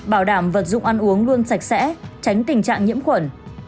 bảo đảm vật dụng ăn uống luôn sạch sẽ tránh tình trạng nhiễm khuẩn